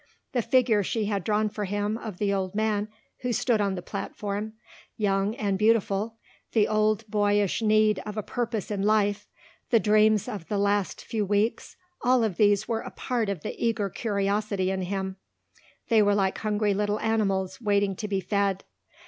The figure she had drawn for him of the old man who stood on the platform, young and beautiful, the old boyish need of a purpose in life, the dreams of the last few weeks all of these were a part of the eager curiosity in him. They were like hungry little animals waiting to be fed.